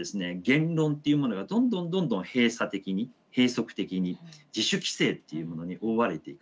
言論っていうものがどんどんどんどん閉鎖的に閉塞的に自主規制っていうものに覆われていく。